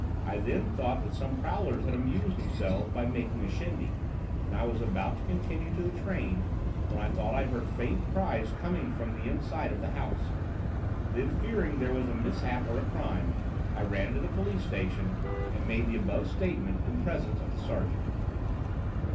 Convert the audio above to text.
I then thought that some prowlers had amused themselves by making a shindy, and I was about to continue to the train when I thought I heard faint cries coming from the inside of the house. Then, fearing there was a mishap or a crime, I ran to the police station and made the above statement in presence of the sergeant.'"